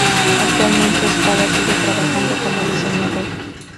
Actualmente, Spada sigue trabajando como diseñador.